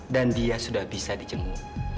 dan dia sudah bisa dijemur